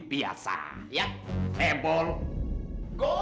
pakaian m them ssg